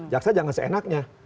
jaksa jangan seenaknya